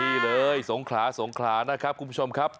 นี่เลยสงขลาสงขลานะครับคุณผู้ชมครับ